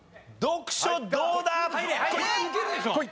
これいけるでしょ。